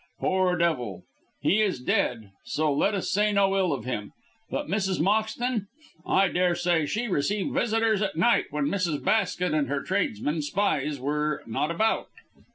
Poor devil! He is dead, so let us say no ill of him. But Mrs. Moxton. I daresay she received visitors at night when Mrs. Basket and her tradesmen spies were not about."